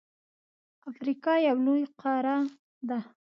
افریقا یو لوی قاره ده.